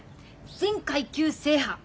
全階級制覇！